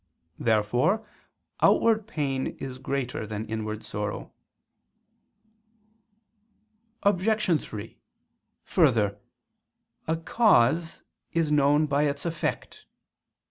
Therefore outward pain is greater than inward sorrow. Obj. 3: Further, a cause is known by its effect.